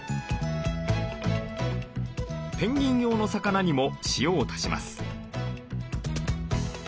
ペンギン用の魚にも塩を足します。